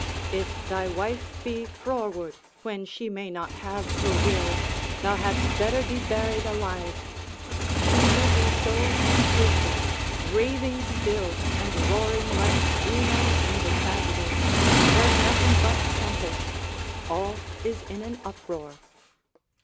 If thy wife be froward, when she may not have her will, thou hadst better be buried alive; she will be so impatient, raving still, and roaring like Juno in the tragedy, there's nothing but tempests, all is in an uproar.